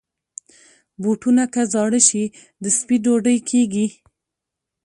بوټونه که زاړه شي، د سپي ډوډۍ کېږي.